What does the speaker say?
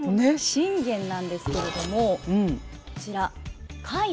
信玄なんですけれどもこちら甲斐